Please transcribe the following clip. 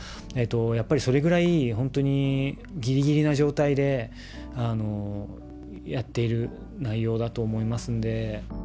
やっぱりそれぐらい、本当にぎりぎりな状態で、やっている内容だと思いますんで。